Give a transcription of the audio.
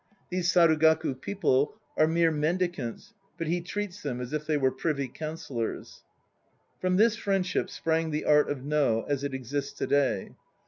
These Sarugaku people are mere mendicants, but he treats them as if they were Privy Counsellors. From this friendship sprang the art of No as it exists to day.